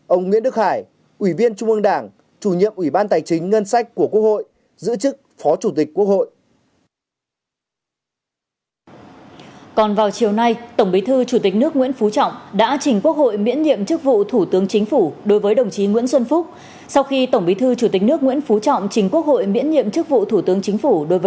ông nguyễn đức hải ủy viên trung ương đảng chủ nhiệm ủy ban tài chính ngân sách của quốc hội giữ chức phó chủ tịch quốc hội